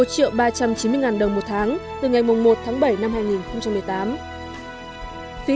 xin chào và hẹn gặp lại